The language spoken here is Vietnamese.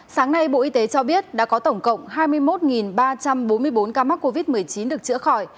sáng nay bộ y tế cho biết đã có tổng cộng hai mươi một ba trăm bốn mươi bốn ca mắc covid một mươi chín được chữa khỏi